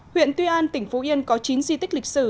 huyện tuy an tỉnh phú yên có chín di tích lịch sử